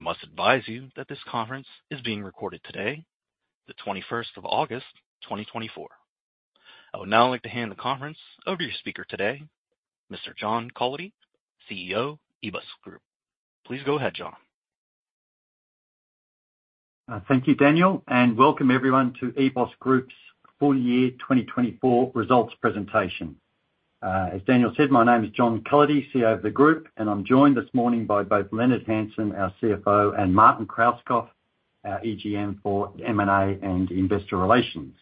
I must advise you that this conference is being recorded today, 21 August, 2024. I would now like to hand the conference over to your speaker today, Mr. John Cullity, CEO, EBOS Group. Please go ahead, John. Thank you, Daniel, and welcome everyone to EBOS Group's Full Year 2024 Results Presentation. As Daniel said, my name is John Cullity, CEO of the group, and I'm joined this morning by both Leonard Hansen, our CFO, and Martin Krauskopf, our EGM for M&A and Investor Relations.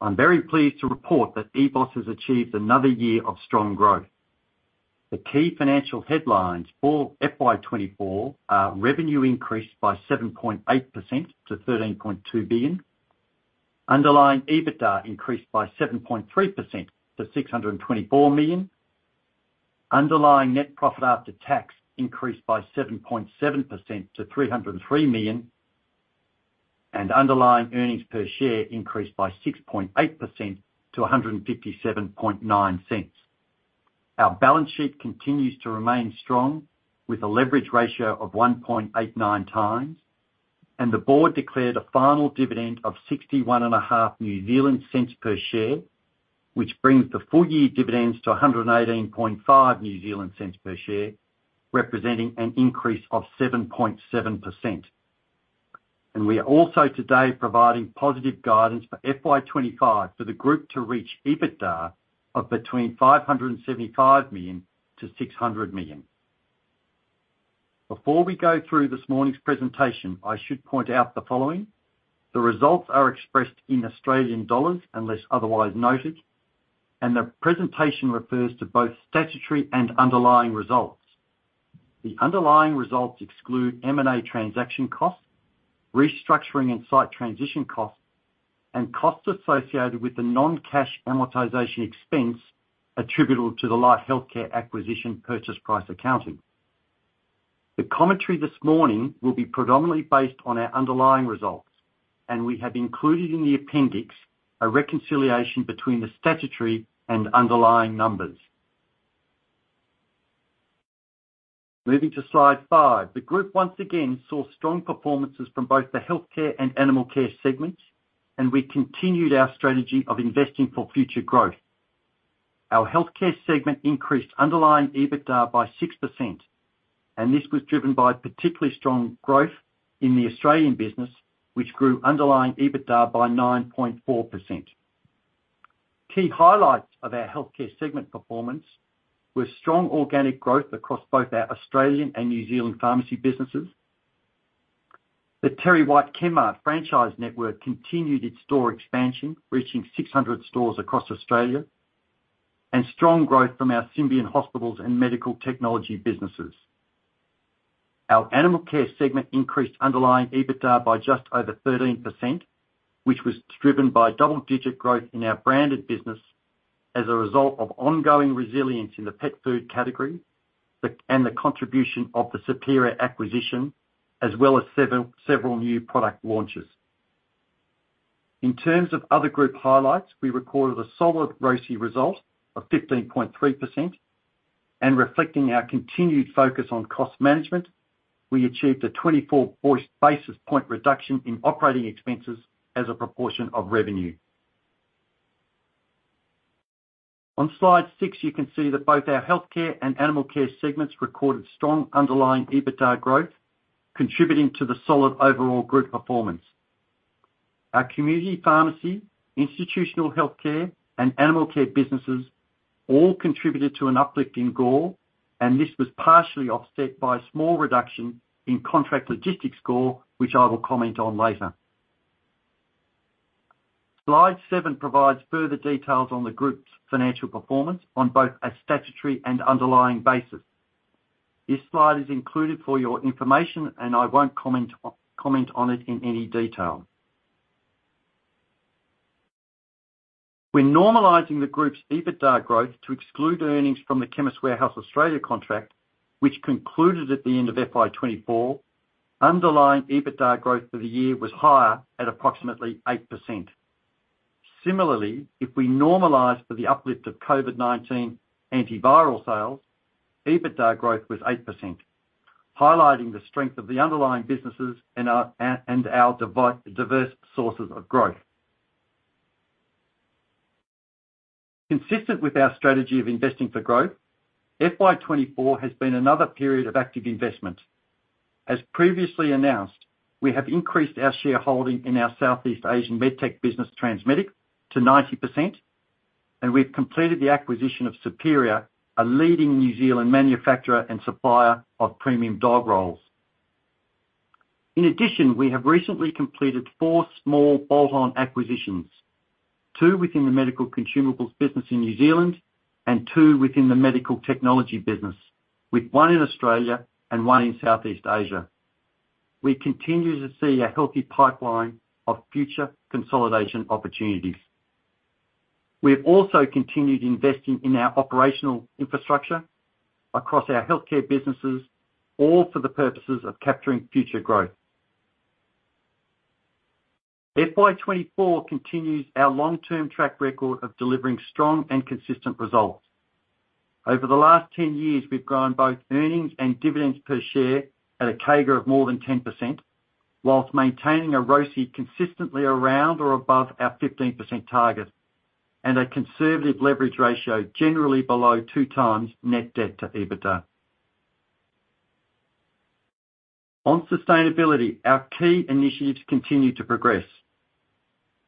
I'm very pleased to report that EBOS has achieved another year of strong growth. The key financial headlines for FY 2024 are: revenue increased by 7.8% to 13.2 billion. Underlying EBITDA increased by 7.3% to 624 million. Underlying net profit after tax increased by 7.7% to 303 million, and underlying earnings per share increased by 6.8% to 1.579. Our balance sheet continues to remain strong, with a leverage ratio of 1.89 times, and the board declared a final dividend of 0.615 per share, which brings the full-year dividends to 1.185 per share, representing an increase of 7.7%, and we are also today providing positive guidance for FY 2025 for the group to reach EBITDA of between 575 million-600 million. Before we go through this morning's presentation, I should point out the following: The results are expressed in AUD, unless otherwise noted, and the presentation refers to both statutory and underlying results. The underlying results exclude M&A transaction costs, restructuring and site transition costs, and costs associated with the non-cash amortization expense attributable to the Life Healthcare acquisition Purchase Price Accounting. The commentary this morning will be predominantly based on our underlying results, and we have included in the appendix a reconciliation between the statutory and underlying numbers. Moving to Slide 5. The group once again saw strong performances from both the healthcare and animal care segments, and we continued our strategy of investing for future growth. Our healthcare segment increased underlying EBITDA by 6%, and this was driven by particularly strong growth in the Australian business, which grew underlying EBITDA by 9.4%. Key highlights of our healthcare segment performance were strong organic growth across both our Australian and New Zealand pharmacy businesses. The TerryWhite Chemmart franchise network continued its store expansion, reaching 600 stores across Australia, and strong growth from our Symbion Hospitals and medical technology businesses. Our Animal Care segment increased underlying EBITDA by just over 13%, which was driven by double-digit growth in our branded business as a result of ongoing resilience in the pet food category, and the contribution of the Superior acquisition, as well as several new product launches. In terms of other group highlights, we recorded a solid ROCE result of 15.3%, and reflecting our continued focus on cost management, we achieved a 24 basis point reduction in operating expenses as a proportion of revenue. On Slide 6, you can see that both our healthcare and animal care segments recorded strong underlying EBITDA growth, contributing to the solid overall group performance. Our community pharmacy, institutional healthcare, and animal care businesses all contributed to an uplift in GOR, and this was partially offset by a small reduction in contract logistics sales, which I will comment on later. Slide seven provides further details on the group's financial performance on both a statutory and underlying basis. This slide is included for your information, and I won't comment on it in any detail. When normalizing the group's EBITDA growth to exclude earnings from the Chemist Warehouse Australia contract, which concluded at the end of FY 2024, underlying EBITDA growth for the year was higher at approximately 8%. Similarly, if we normalize for the uplift of COVID-19 antiviral sales, EBITDA growth was 8%, highlighting the strength of the underlying businesses and our diverse sources of growth. Consistent with our strategy of investing for growth, FY 2024 has been another period of active investment. As previously announced, we have increased our shareholding in our Southeast Asian med tech business, Transmedic, to 90%, and we've completed the acquisition of Superior, a leading New Zealand manufacturer and supplier of premium dog rolls. In addition, we have recently completed four small bolt-on acquisitions, two within the medical consumables business in New Zealand, and two within the medical technology business, with one in Australia and one in Southeast Asia. We continue to see a healthy pipeline of future consolidation opportunities. We have also continued investing in our operational infrastructure across our healthcare businesses, all for the purposes of capturing future growth.... FY 2024 continues our long-term track record of delivering strong and consistent results. Over the last ten years, we've grown both earnings and dividends per share at a CAGR of more than 10%, while maintaining a ROCE consistently around or above our 15% target, and a conservative leverage ratio generally below two times net debt to EBITDA. On sustainability, our key initiatives continue to progress.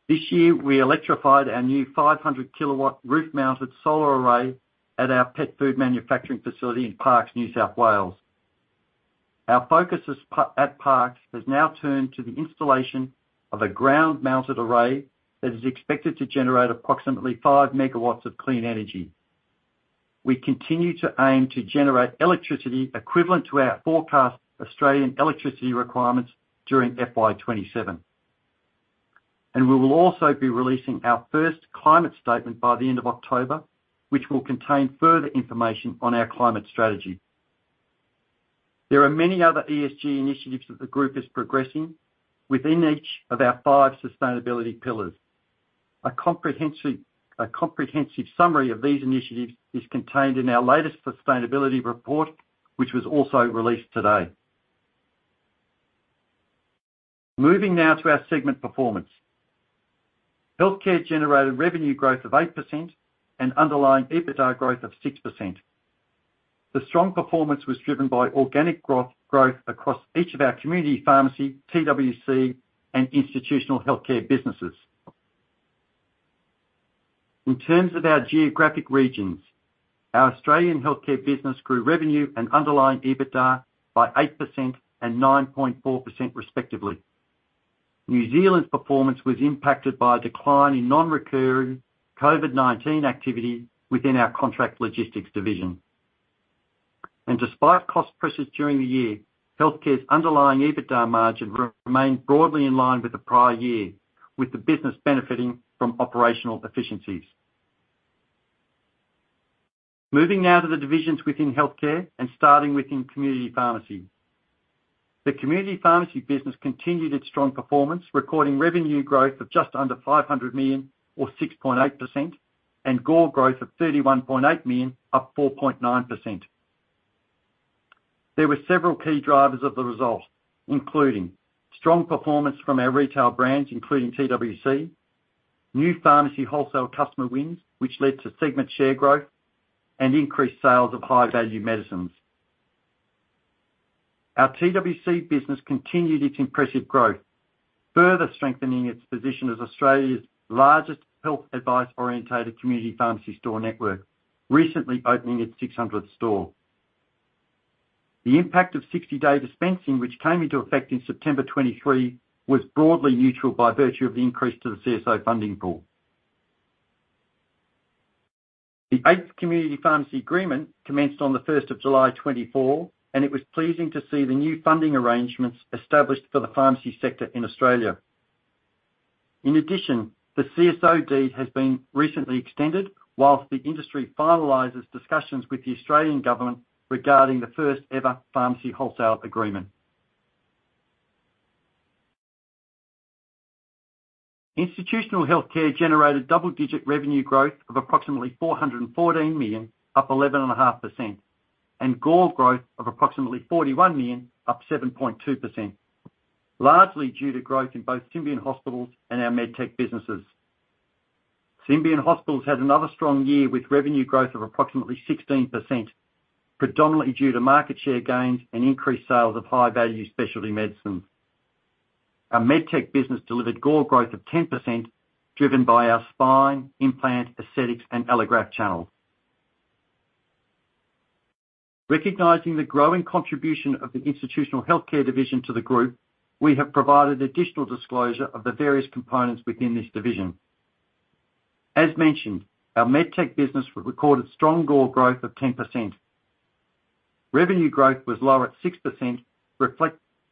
This year, we electrified our new 500-kilowatt roof-mounted solar array at our pet food manufacturing facility in Parkes, New South Wales. Our focus is at Parkes has now turned to the installation of a ground-mounted array that is expected to generate approximately 5 megawatts of clean energy. We continue to aim to generate electricity equivalent to our forecast Australian electricity requirements during FY 2027. We will also be releasing our first climate statement by the end of October, which will contain further information on our climate strategy. There are many other ESG initiatives that the group is progressing within each of our five sustainability pillars. A comprehensive summary of these initiatives is contained in our latest sustainability report, which was also released today. Moving now to our segment performance. Healthcare generated revenue growth of 8% and underlying EBITDA growth of 6%. The strong performance was driven by organic growth across each of our community pharmacy, TWC, and institutional healthcare businesses. In terms of our geographic regions, our Australian healthcare business grew revenue and underlying EBITDA by 8% and 9.4%, respectively. New Zealand's performance was impacted by a decline in non-recurring COVID-19 activity within our contract logistics division. Despite cost pressures during the year, healthcare's underlying EBITDA margin remained broadly in line with the prior year, with the business benefiting from operational efficiencies. Moving now to the divisions within healthcare, and starting within community pharmacy. The community pharmacy business continued its strong performance, recording revenue growth of just under 500 million, or 6.8%, and GOR growth of 31.8 million, up 4.9%. There were several key drivers of the result, including strong performance from our retail brands, including TWC, new pharmacy wholesale customer wins, which led to segment share growth, and increased sales of high-value medicines. Our TWC business continued its impressive growth, further strengthening its position as Australia's largest health advice-oriented community pharmacy store network, recently opening its 600th store. The impact of 60-day dispensing, which came into effect in September 2023, was broadly neutral by virtue of the increase to the CSO funding pool. The Eighth Community Pharmacy Agreement commenced on 1 July, 2024, and it was pleasing to see the new funding arrangements established for the pharmacy sector in Australia. In addition, the CSO deed has been recently extended, while the industry finalizes discussions with the Australian government regarding the first-ever Pharmacy Wholesale Agreement. Institutional healthcare generated double-digit revenue growth of approximately 414 million, up 11.5%, and GOR growth of approximately 41 million, up 7.2%, largely due to growth in both Symbion Hospitals and our MedTech businesses. Symbion Hospitals had another strong year, with revenue growth of approximately 16%, predominantly due to market share gains and increased sales of high-value specialty medicines. Our MedTech business delivered GOR growth of 10%, driven by our spine, implant, aesthetics, and allograft channels. Recognizing the growing contribution of the institutional healthcare division to the group, we have provided additional disclosure of the various components within this division. As mentioned, our MedTech business recorded strong GOR growth of 10%. Revenue growth was lower at 6%,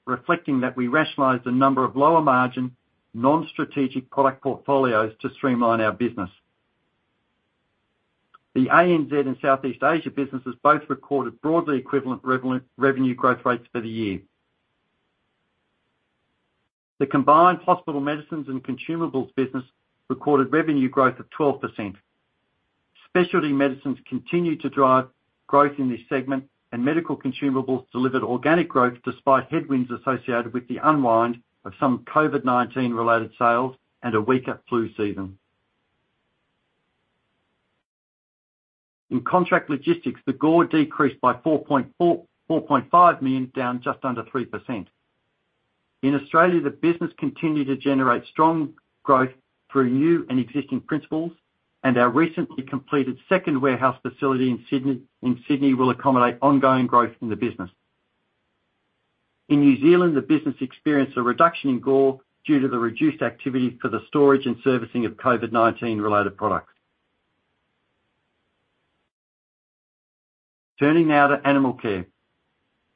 reflecting that we rationalized a number of lower-margin, non-strategic product portfolios to streamline our business. The ANZ and Southeast Asia businesses both recorded broadly equivalent revenue growth rates for the year. The combined hospital medicines and consumables business recorded revenue growth of 12%. Specialty medicines continued to drive growth in this segment, and medical consumables delivered organic growth, despite headwinds associated with the unwind of some COVID-19-related sales and a weaker flu season. In contract logistics, the GOR decreased by 4.5 million, down just under 3%. In Australia, the business continued to generate strong growth through new and existing principals, and our recently completed second warehouse facility in Sydney will accommodate ongoing growth in the business. In New Zealand, the business experienced a reduction in GOR due to the reduced activity for the storage and servicing of COVID-19-related products. Turning now to Animal Care.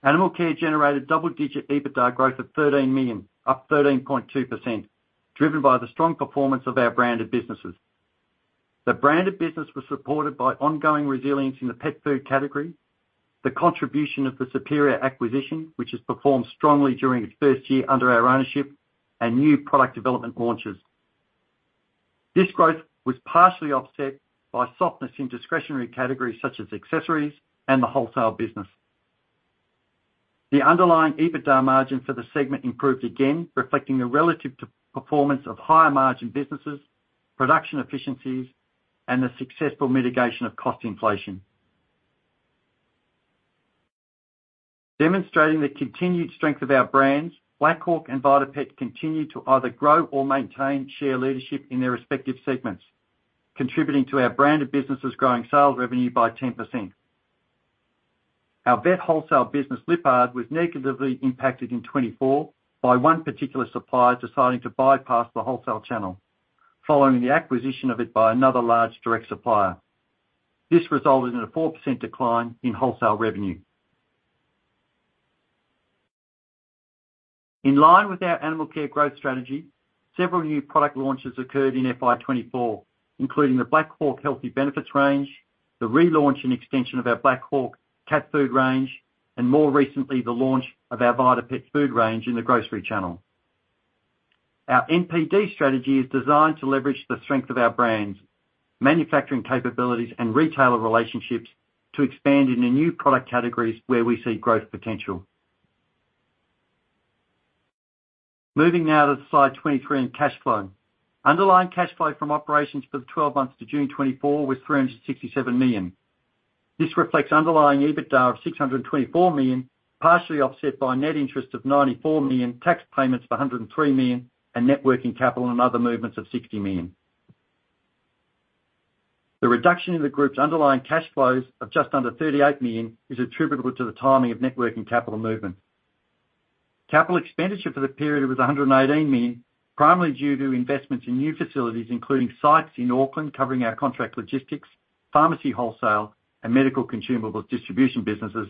Animal Care generated double-digit EBITDA growth of 13 million, up 13.2%, driven by the strong performance of our branded businesses. The branded business was supported by ongoing resilience in the pet food category, the contribution of the Superior acquisition, which has performed strongly during its first year under our ownership, and new product development launches. This growth was partially offset by softness in discretionary categories such as accessories and the wholesale business. The underlying EBITDA margin for the segment improved again, reflecting the relative performance of higher-margin businesses, production efficiencies, and the successful mitigation of cost inflation. Demonstrating the continued strength of our brands, Black Hawk and VitaPet continue to either grow or maintain share leadership in their respective segments, contributing to our branded businesses growing sales revenue by 10%. Our vet wholesale business, Lyppard, was negatively impacted in 2024 by one particular supplier deciding to bypass the wholesale channel following the acquisition of it by another large direct supplier. This resulted in a 4% decline in wholesale revenue. In line with our animal care growth strategy, several new product launches occurred in FY 2024, including the Black Hawk Healthy Benefits range, the relaunch and extension of our Black Hawk cat food range, and more recently, the launch of our VitaPet food range in the grocery channel. Our NPD strategy is designed to leverage the strength of our brands, manufacturing capabilities, and retailer relationships to expand into new product categories where we see growth potential. Moving now to slide 23 on cash flow. Underlying cash flow from operations for the twelve months to June 2024 was 367 million. This reflects underlying EBITDA of 624 million, partially offset by net interest of 94 million, tax payments of 103 million, and net working capital and other movements of 60 million. The reduction in the group's underlying cash flows of just under 38 million is attributable to the timing of net working capital movement. Capital expenditure for the period was 118 million, primarily due to investments in new facilities, including sites in Auckland, covering our contract logistics, pharmacy wholesale, and medical consumables distribution businesses,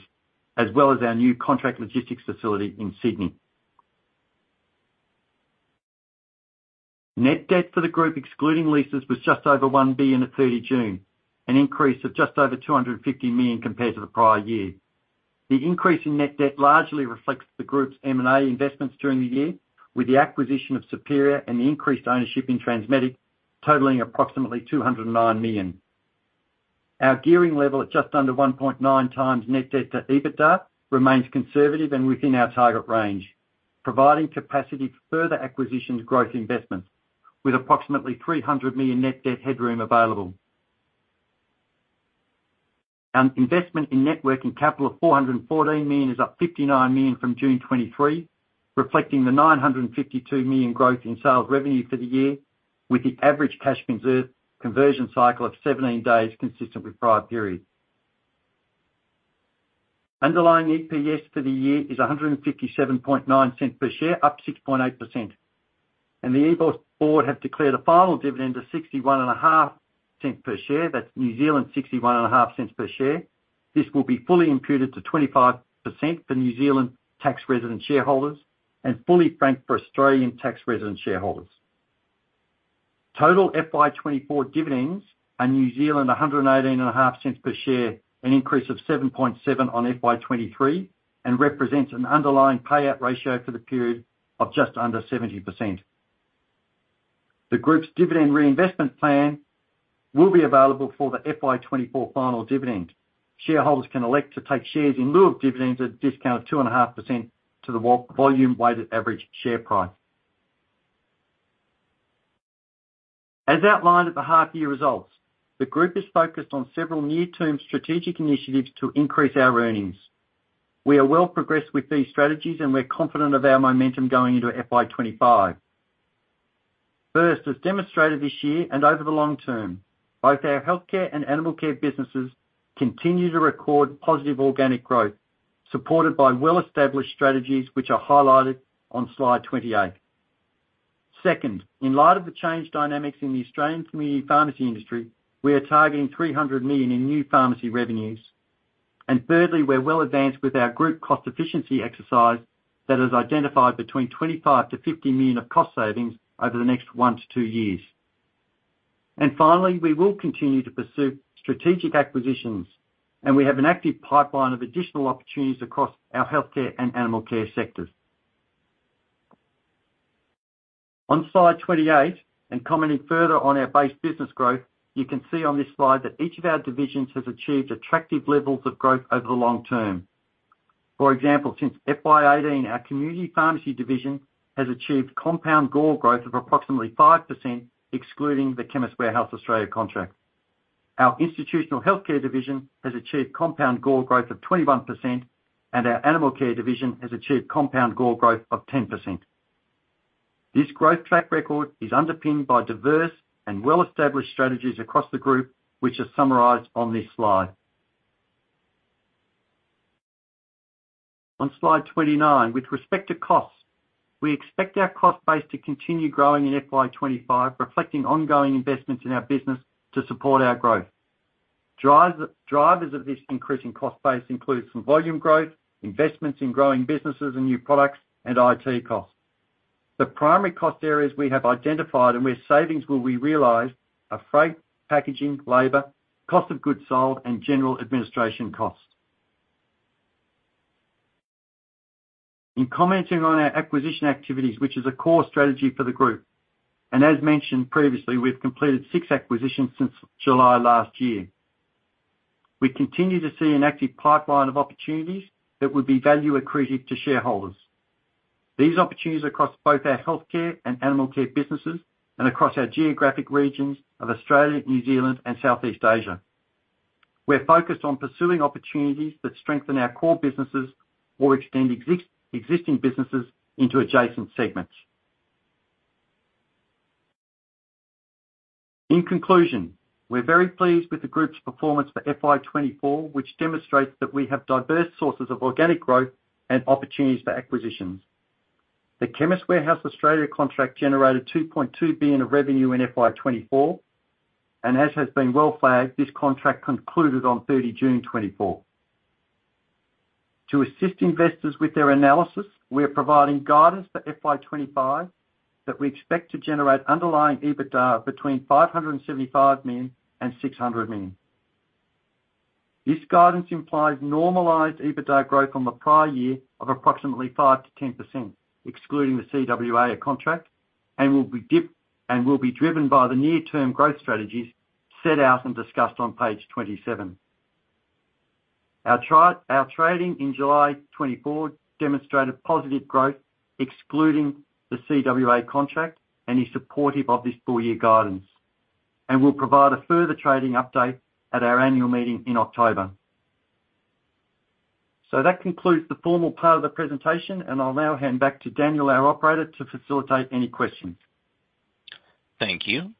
as well as our new contract logistics facility in Sydney. Net debt for the group, excluding leases, was just over 1 billion at 30 June, an increase of just over 250 million compared to the prior year. The increase in net debt largely reflects the group's M&A investments during the year, with the acquisition of Superior and the increased ownership in Transmedic totaling approximately 209 million. Our gearing level at just under 1.9 times net debt to EBITDA remains conservative and within our target range, providing capacity for further acquisitions growth investments, with approximately 300 million net debt headroom available. Our investment in net working capital of 414 million is up 59 million from June 2023, reflecting the 952 million growth in sales revenue for the year, with the average cash conversion cycle of 17 days consistent with prior periods. Underlying EPS for the year is 157.9 cents per share, up 6.8%, and the EBOS board have declared a final dividend of 61.5 NZD cents per share. That's New Zealand 61.5 NZD cents per share. This will be fully imputed to 25% for New Zealand tax resident shareholders, and fully franked for Australian tax resident shareholders. Total FY 2024 dividends are 1.185 per share, an increase of 7.7 on FY 2023, and represents an underlying payout ratio for the period of just under 70%. The group's Dividend Reinvestment Plan will be available for the FY 2024 final dividend. Shareholders can elect to take shares in lieu of dividends at a discount of 2.5% to the volume-weighted average share price. As outlined at the half-year results, the group is focused on several near-term strategic initiatives to increase our earnings. We are well progressed with these strategies, and we're confident of our momentum going into FY 2025. First, as demonstrated this year and over the long term, both our healthcare and animal care businesses continue to record positive organic growth, supported by well-established strategies, which are highlighted on slide 28. Second, in light of the changed dynamics in the Australian community pharmacy industry, we are targeting 300 million in new pharmacy revenues, and thirdly, we're well advanced with our group cost efficiency exercise that has identified between 25 to 50 million of cost savings over the next 1 to 2 years, and finally, we will continue to pursue strategic acquisitions, and we have an active pipeline of additional opportunities across our healthcare and animal care sectors. On slide 28 and commenting further on our base business growth, you can see on this slide that each of our divisions has achieved attractive levels of growth over the long term. For example, since FY 2018, our community pharmacy division has achieved compound GOR growth of approximately 5%, excluding the Chemist Warehouse Australia contract. Our institutional healthcare division has achieved compound GOR growth of 21%, and our animal care division has achieved compound GOR growth of 10%. This growth track record is underpinned by diverse and well-established strategies across the group, which are summarized on this slide. On slide 29, with respect to costs, we expect our cost base to continue growing in FY 25, reflecting ongoing investments in our business to support our growth. Drivers of this increasing cost base includes some volume growth, investments in growing businesses and new products, and IT costs. The primary cost areas we have identified and where savings will be realized are freight, packaging, labor, cost of goods sold, and general administration costs. In commenting on our acquisition activities, which is a core strategy for the group, and as mentioned previously, we've completed six acquisitions since July last year. We continue to see an active pipeline of opportunities that would be value accretive to shareholders. These opportunities across both our healthcare and animal care businesses, and across our geographic regions of Australia, New Zealand, and Southeast Asia. We're focused on pursuing opportunities that strengthen our core businesses or extend existing businesses into adjacent segments. In conclusion, we're very pleased with the group's performance for FY 2024, which demonstrates that we have diverse sources of organic growth and opportunities for acquisitions. The Chemist Warehouse Australia contract generated 2.2 billion of revenue in FY 2024, and as has been well flagged, this contract concluded on 30 June 2024. To assist investors with their analysis, we are providing guidance for FY 2025, that we expect to generate underlying EBITDA between 575 million and 600 million. This guidance implies normalized EBITDA growth on the prior year of approximately 5%-10%, excluding the CWA contract, and will be driven by the near-term growth strategies set out and discussed on page 27. Our trading in July 2024 demonstrated positive growth, excluding the CWA contract, and is supportive of this full-year guidance, and we'll provide a further trading update at our annual meeting in October. That concludes the formal part of the presentation, and I'll now hand back to Daniel, our operator, to facilitate any questions. Thank you.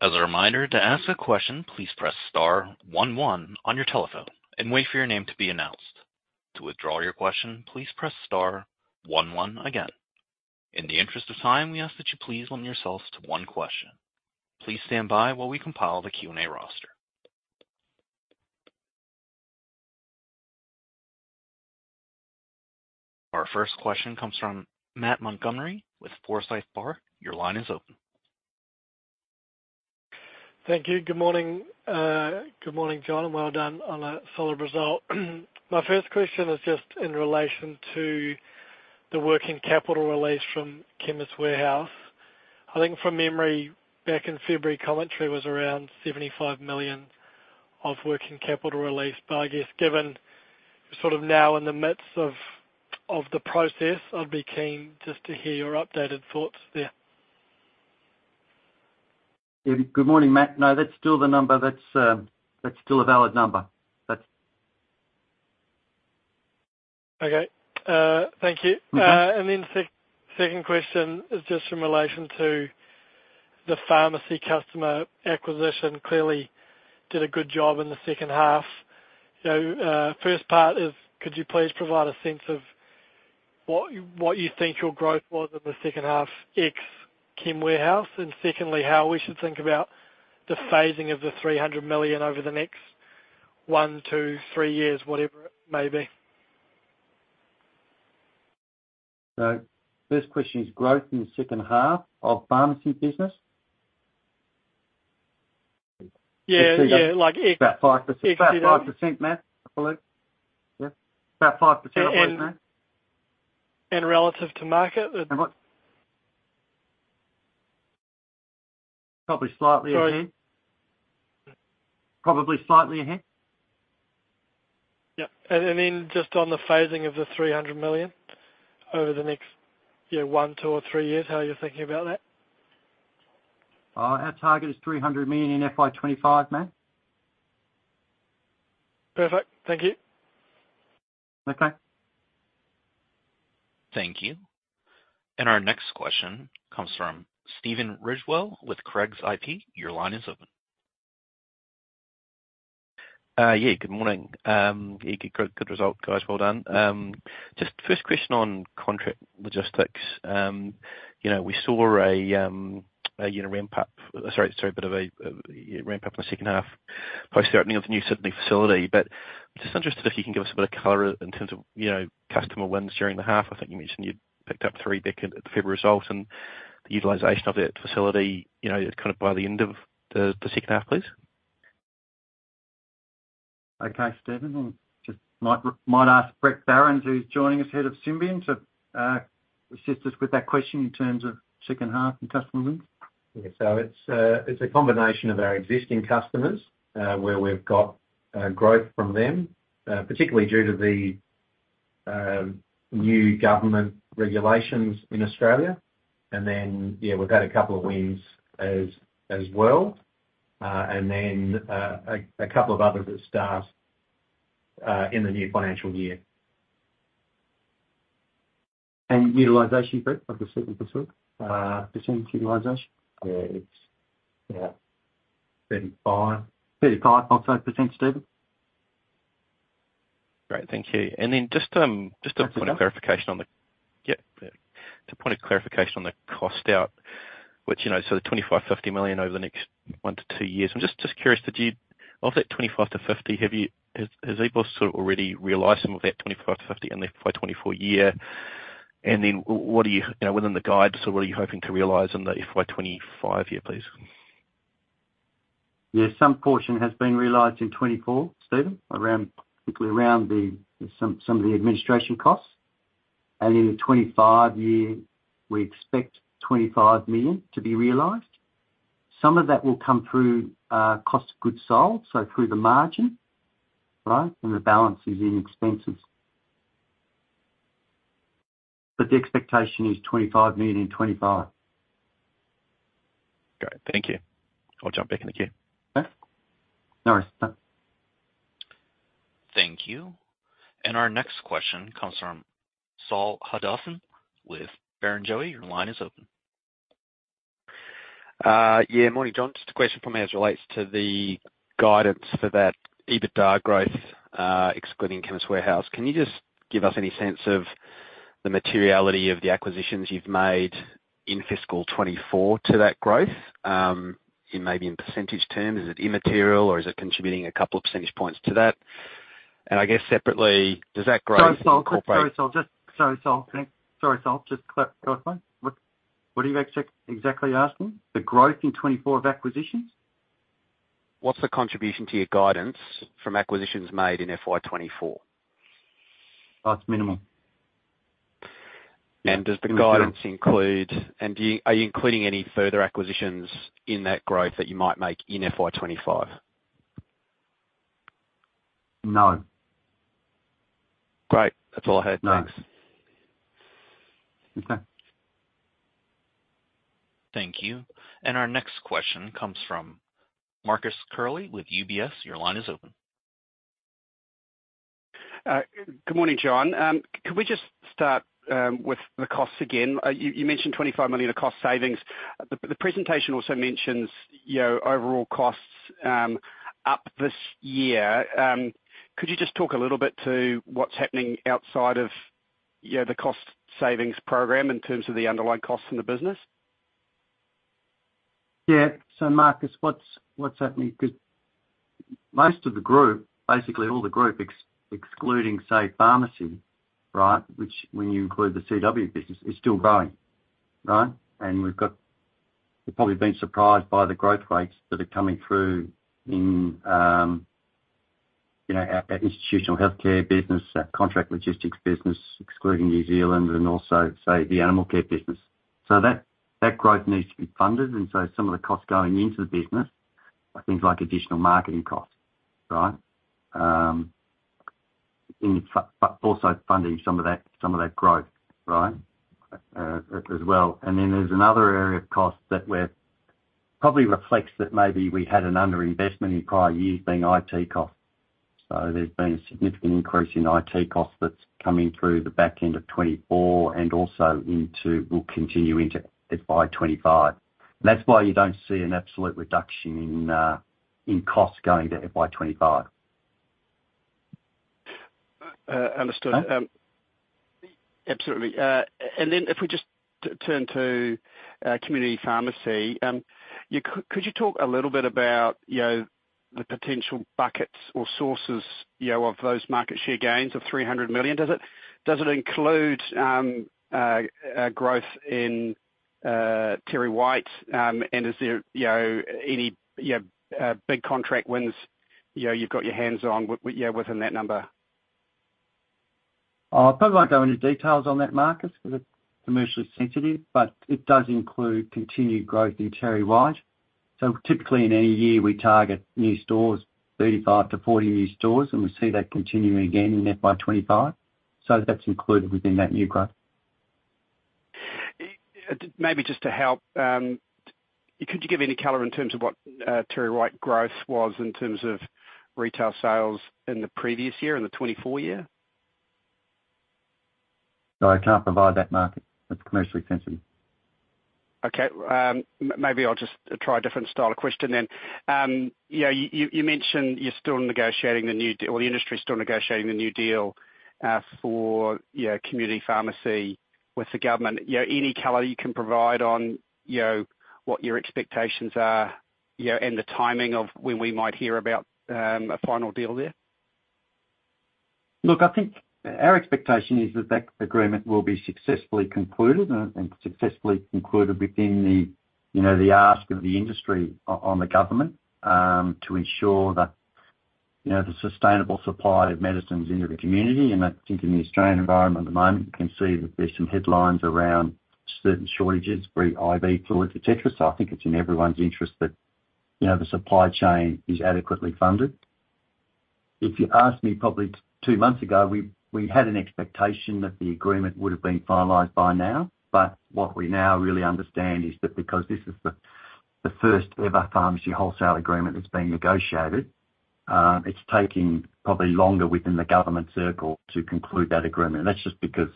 As a reminder, to ask a question, please press star one, one on your telephone and wait for your name to be announced. To withdraw your question, please press star one, one again. In the interest of time, we ask that you please limit yourselves to one question. Please stand by while we compile the Q&A roster. Our first question comes from Matt Montgomerie with Forsyth Barr. Your line is open. Thank you. Good morning. Good morning, John, and well done on a solid result. My first question is just in relation to the working capital release from Chemist Warehouse. I think from memory, back in February, commentary was around 75 million of working capital release. But I guess, given sort of now in the midst of the process, I'd be keen just to hear your updated thoughts there. Yeah, good morning, Matt. No, that's still the number. That's, that's still a valid number. That's- Okay, thank you. Mm-hmm. And then second question is just in relation to the pharmacy customer acquisition. Clearly, did a good job in the second half. So, first part is, could you please provide a sense of what you think your growth was in the second half, ex-Chemist Warehouse? And secondly, how we should think about the phasing of the 300 million over the next one to three years, whatever it may be. So first question is growth in the second half of pharmacy business? Yeah, yeah, like... About 5%. About 5%, Matt, I believe. Yeah, about 5%, Matt. And relative to market? How much? Probably slightly ahead. Sorry. Probably slightly ahead. Yeah, and, and then just on the phasing of the 300 million over the next, you know, one, two or three years, how are you thinking about that? Our target is 300 million in FY 2025, Matt. Perfect. Thank you. Okay. Thank you. And our next question comes from Stephen Ridgewell with Craigs IP. Your line is open. Yeah, good morning. Yeah, good, good result, guys. Well done. Just first question on contract logistics. You know, we saw a, you know, ramp up - sorry, sorry, bit of a ramp up in the second half, post the opening of the new Sydney facility. But just interested, if you can give us a bit of color in terms of, you know, customer wins during the half. I think you mentioned you'd picked up three big at the Feb result and the utilization of that facility, you know, kind of by the end of the, the second half, please. Okay, Stephen, just might ask Brett Barons, who's joining us, head of Symbion, to assist us with that question in terms of second half and customer wins. Yeah. So it's a combination of our existing customers, where we've got growth from them, particularly due to the new government regulations in Australia. And then, yeah, we've had a couple of wins as well, and then a couple of others that start in the new financial year. Utilization, Brett, of the Sydney facility, % utilization? It's, yeah, 35. 35 approximate %, Stephen?... Great. Thank you. And then just a point of clarification on the cost out, which, you know, so the 25-50 million over the next one to two years. I'm just curious, has EBOS sort of already realized some of that 25-50 in the FY 2024 year? And then what are you, you know, within the guides, so what are you hoping to realize in the FY 2025 year, please? Yeah, some portion has been realized in 2024, Stephen, around, particularly around the some of the administration costs. And in the 2025 year, we expect 25 million to be realized. Some of that will come through cost of goods sold, so through the margin, right? And the balance is in expenses. But the expectation is 25 million in 2025. Great. Thank you. I'll jump back in the queue. Okay. No worries. Bye. Thank you. And our next question comes from Saul Hadassin with Barrenjoey. Your line is open. Yeah, morning, John. Just a question for me as it relates to the guidance for that EBITDA growth, excluding Chemist Warehouse. Can you just give us any sense of the materiality of the acquisitions you've made in fiscal 2024 to that growth, in maybe in percentage terms? Is it immaterial, or is it contributing a couple of percentage points to that? And I guess separately, does that growth incorporate- Sorry, Saul. Sorry, Saul, just sorry, Saul. Can I... Sorry, Saul, just quickly, what are you exactly asking? The growth in 2024 of acquisitions? What's the contribution to your guidance from acquisitions made in FY 2024? Oh, it's minimal. And are you including any further acquisitions in that growth that you might make in FY 2025? No. Great. That's all I had. Thanks. Okay. Thank you. And our next question comes from Marcus Curley with UBS. Your line is open. Good morning, John. Could we just start with the costs again? You mentioned 25 million of cost savings. The presentation also mentions, you know, overall costs up this year. Could you just talk a little bit to what's happening outside of, you know, the cost savings program in terms of the underlying costs in the business? Yeah. So, Marcus, what's happening? Because most of the group, basically all the group, excluding, say, pharmacy, right, which when you include the CW business, is still growing, right? And we've probably been surprised by the growth rates that are coming through in, you know, our institutional healthcare business, our contract logistics business, excluding New Zealand and also, say, the animal care business. So that growth needs to be funded, and so some of the costs going into the business are things like additional marketing costs, right? And but also funding some of that growth, right, as well. And then there's another area of cost that probably reflects that maybe we had an underinvestment in prior years being IT costs. So there's been a significant increase in IT costs that's coming through the back end of 2024 and also into, will continue into FY 2025. That's why you don't see an absolute reduction in costs going to FY 2025. Uh, understood. Okay. Absolutely. And then if we just turn to community pharmacy, could you talk a little bit about, you know, the potential buckets or sources, you know, of those market share gains of 300 million? Does it include growth in TerryWhite? And is there, you know, any big contract wins, you know, you've got your hands on within that number? I probably won't go into details on that, Marcus, because it's commercially sensitive, but it does include continued growth in TerryWhite. So typically, in any year, we target new stores, 35 to 40 new stores, and we see that continuing again in FY 2025. So that's included within that new growth. Maybe just to help, could you give any color in terms of what TerryWhite growth was in terms of retail sales in the previous year, in the 2024 year? No, I can't provide that, Marcus. That's commercially sensitive. Okay, maybe I'll just try a different style of question then. You know, you mentioned you're still negotiating the new deal, or the industry is still negotiating the new deal, for you know, community pharmacy with the government. You know, any color you can provide on, you know, what your expectations are, you know, and the timing of when we might hear about a final deal there? Look, I think our expectation is that that agreement will be successfully concluded and successfully concluded within the, you know, the ask of the industry on the government, to ensure that, you know, the sustainable supply of medicines into the community, and I think in the Australian environment at the moment, you can see that there's some headlines around certain shortages, re: IV fluids, et cetera. So I think it's in everyone's interest that, you know, the supply chain is adequately funded. If you asked me probably two months ago, we had an expectation that the agreement would have been finalized by now, but what we now really understand is that because this is the first ever pharmacy wholesale agreement that's been negotiated, it's taking probably longer within the government circle to conclude that agreement. And that's just because-...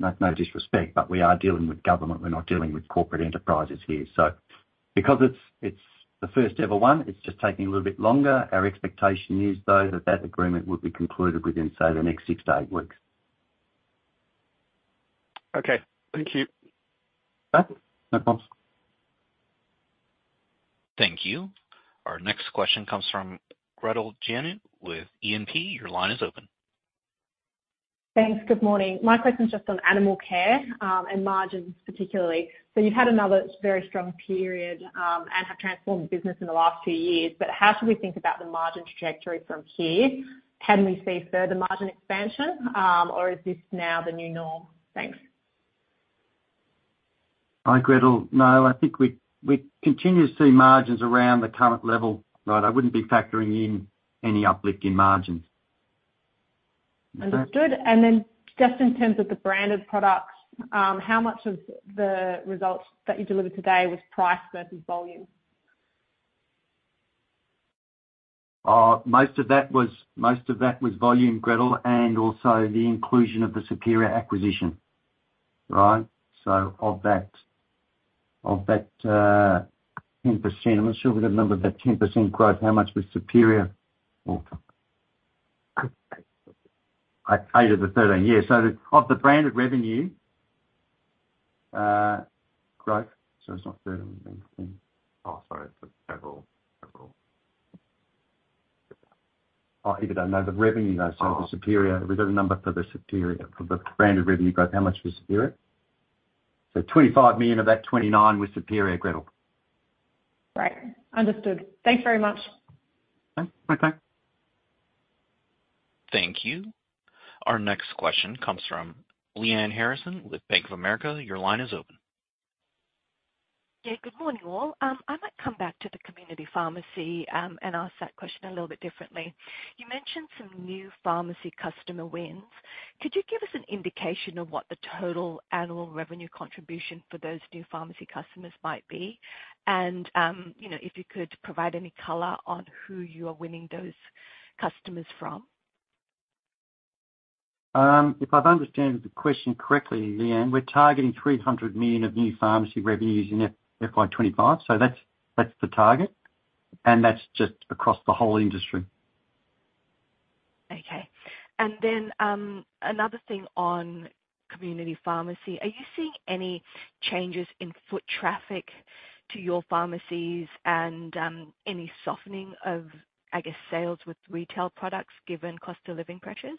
No, no disrespect, but we are dealing with government. We're not dealing with corporate enterprises here. So because it's the first ever one, it's just taking a little bit longer. Our expectation is, though, that agreement will be concluded within, say, the next six to eight weeks. Okay, thank you. Bye. No problems. Thank you. Our next question comes from Gretel Janu with E&P. Your line is open. Thanks. Good morning. My question is just on animal care, and margins, particularly. So you've had another very strong period, and have transformed the business in the last two years, but how should we think about the margin trajectory from here? Can we see further margin expansion, or is this now the new norm? Thanks. Hi, Gretel. No, I think we continue to see margins around the current level, right? I wouldn't be factoring in any uplift in margins. Understood, and then just in terms of the branded products, how much of the results that you delivered today was price versus volume? Most of that was volume, Gretel, and also the inclusion of the Superior acquisition, right? So of that 10%, I'm not sure we have remembered that 10% growth. How much was Superior? Oh, eight out of the 13. Yeah, so of the branded revenue growth, so it's not 13. Oh, sorry, it's several. Oh, we don't even know the revenue, though, so the Superior. We've got a number for the Superior. For the branded revenue growth, how much was Superior? So 25 million of that 29 were Superior, Gretel. Right. Understood. Thanks very much. Okay. Bye, bye. Thank you. Our next question comes from Lyanne Harrison with Bank of America. Your line is open. Yeah, good morning, all. I might come back to the community pharmacy, and ask that question a little bit differently. You mentioned some new pharmacy customer wins. Could you give us an indication of what the total annual revenue contribution for those new pharmacy customers might be? And, you know, if you could provide any color on who you are winning those customers from. If I've understood the question correctly, Lyanne, we're targeting 300 million of new pharmacy revenues in FY 2025. So that's the target, and that's just across the whole industry. Okay. And then, another thing on community pharmacy. Are you seeing any changes in foot traffic to your pharmacies and any softening of, I guess, sales with retail products, given cost of living pressures?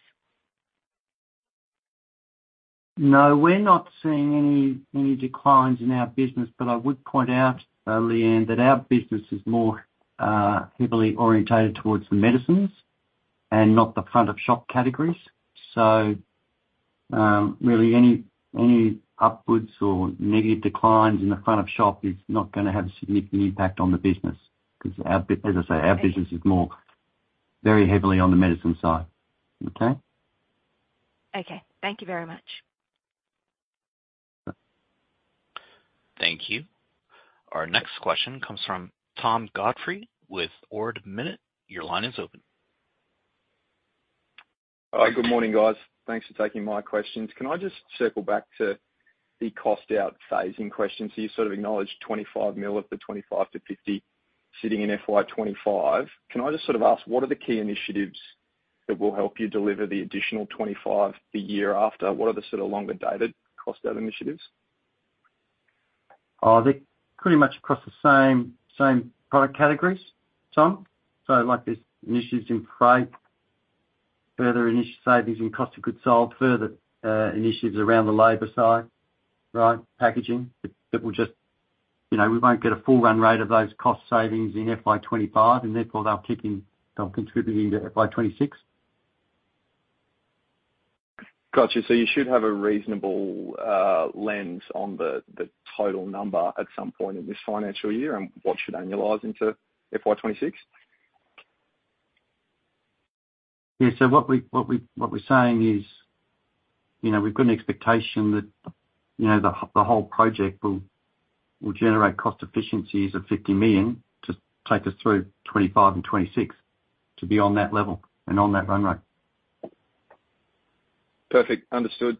No, we're not seeing any declines in our business, but I would point out, Lyanne, that our business is more heavily oriented towards the medicines and not the front of shop categories. So, really, any upwards or negative declines in the front of shop is not gonna have a significant impact on the business. Because as I say, our business is more very heavily on the medicine side. Okay? Okay. Thank you very much. Thank you. Our next question comes from Tom Godfrey with Ord Minnett. Your line is open. Good morning, guys. Thanks for taking my questions. Can I just circle back to the cost out phasing question? So you sort of acknowledged 25 million of the 25 million-50 million sitting in FY 2025. Can I just sort of ask, what are the key initiatives that will help you deliver the additional 25 the year after? What are the sort of longer-dated cost out initiatives? They're pretty much across the same product categories, Tom. So like there's initiatives in freight, further savings in cost of goods sold, further initiatives around the labor side, right, packaging, that will just... You know, we won't get a full run rate of those cost savings in FY 2025, and therefore they'll kick in, they'll contribute into FY 2026. Got you. So you should have a reasonable lens on the total number at some point in this financial year and what should annualize into FY 2026? Yeah, so what we're saying is, you know, we've got an expectation that, you know, the whole project will generate cost efficiencies of 50 million to take us through 2025 and 2026 to be on that level and on that run rate. Perfect. Understood.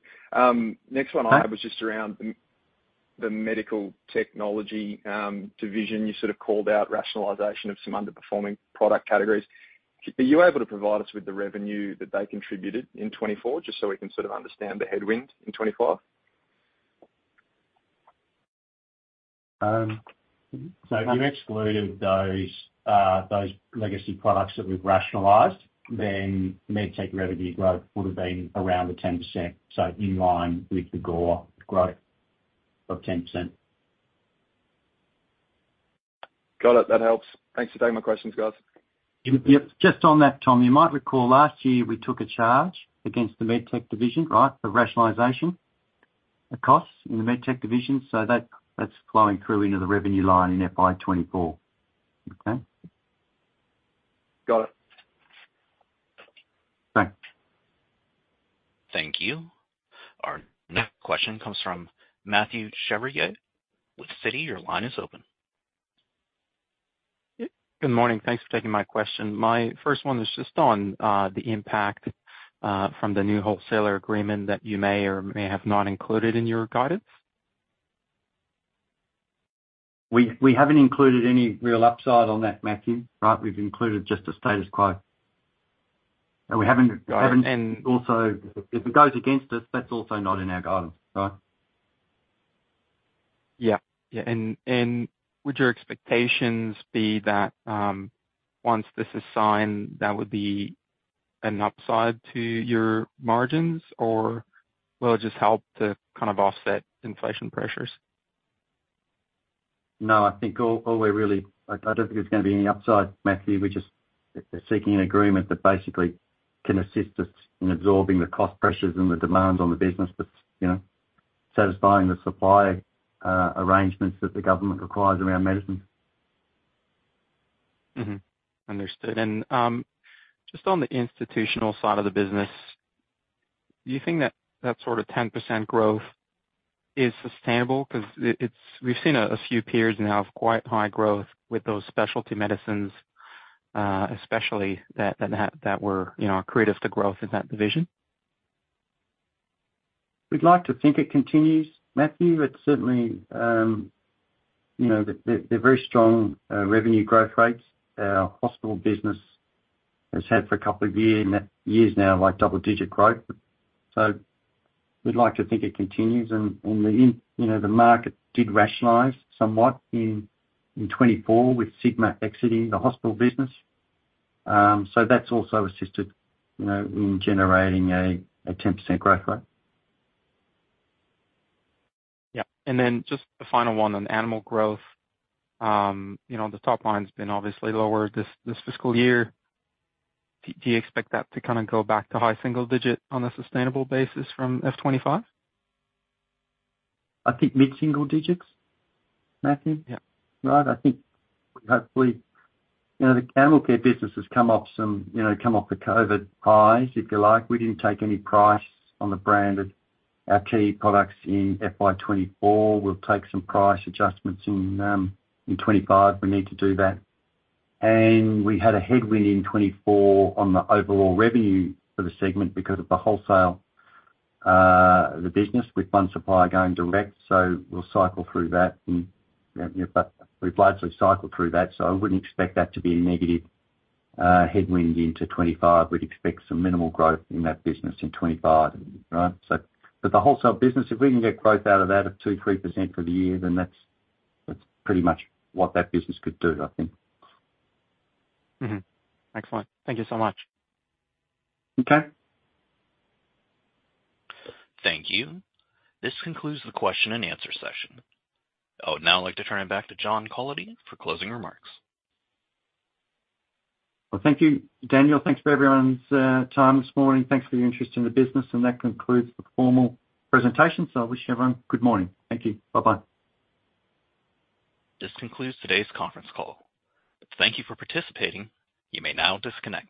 Next one I have- Uh? was just around the medical technology division. You sort of called out rationalization of some underperforming product categories. Could you provide us with the revenue that they contributed in 2024, just so we can sort of understand the headwind in 2025? So if you've excluded those legacy products that we've rationalized, then med tech revenue growth would have been around the 10%, so in line with the GOR growth of 10%. Got it. That helps. Thanks for taking my questions, guys. Yep. Just on that, Tom, you might recall last year we took a charge against the MedTech division, right? For rationalization, the costs in the MedTech division. So that, that's flowing through into the revenue line in FY 2024. Okay? Got it. Thanks. Thank you. Our next question comes from Matthieu Chevrier with Citi. Your line is open. Good morning. Thanks for taking my question. My first one is just on the impact from the new wholesaler agreement that you may or may have not included in your guidance. We haven't included any real upside on that, Matthieu, right? We've included just a status quo. And we haven't. And- Also, if it goes against us, that's also not in our guidance, so. Yeah. Yeah, and would your expectations be that once this is signed, that would be an upside to your margins? Or will it just help to kind of offset inflation pressures? No, I think all we're really, I don't think there's gonna be any upside, Matthieu. We're just, we're seeking an agreement that basically can assist us in absorbing the cost pressures and the demands on the business. But, you know, satisfying the supply arrangements that the government requires around medicine. Mm-hmm. Understood. Just on the institutional side of the business, do you think that that sort of 10% growth is sustainable? Because it, it's, we've seen a few periods now of quite high growth with those specialty medicines, especially that that have that were, you know, accretive to growth in that division. We'd like to think it continues, Matthieu. It's certainly, you know, they're very strong revenue growth rates. Our hospital business has had for a couple of years now, like double-digit growth. So we'd like to think it continues. And the, you know, the market did rationalize somewhat in 2024 with Sigma exiting the hospital business. So that's also assisted, you know, in generating a 10% growth rate. Yeah. And then just the final one on animal growth. You know, the top line's been obviously lower this fiscal year. Do you expect that to kind of go back to high single digit on a sustainable basis from FY 2025? I think mid-single digits, Matthieu. Yeah. Right. I think hopefully, you know, the animal care business has come off some, you know, come off the COVID highs, if you like. We didn't take any price on the brand of our key products in FY 2024. We'll take some price adjustments in 2025. We need to do that. And we had a headwind in 2024 on the overall revenue for the segment, because of the wholesale, the business, with one supplier going direct, so we'll cycle through that. And, yeah, but we've largely cycled through that, so I wouldn't expect that to be a negative headwind into 2025. We'd expect some minimal growth in that business in 2025, right? So, but the wholesale business, if we can get growth out of that of 2-3% for the year, then that's pretty much what that business could do, I think. Mm-hmm. Excellent. Thank you so much. Okay. Thank you. This concludes the question and answer session. I would now like to turn it back to John Cullity for closing remarks. Well, thank you, Daniel. Thanks for everyone's time this morning. Thanks for your interest in the business, and that concludes the formal presentation. So I wish everyone good morning. Thank you. Bye-bye. This concludes today's conference call. Thank you for participating. You may now disconnect.